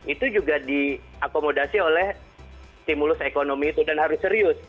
itu juga diakomodasi oleh stimulus ekonomi itu dan harus serius